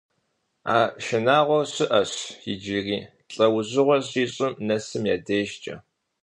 А шынагъуэр щыӀэщ иджыри лӀэужьыгъуэ щищым нэсым я дежкӀэ.